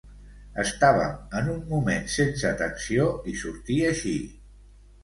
Estàvem en un moment sense tensió i sortí així.